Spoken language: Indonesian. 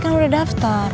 kan udah daftar